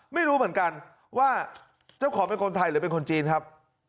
ไม่รู้เหมือนกันว่าเจ้าของเป็นคนไทยหรือเป็นคนจีนครับ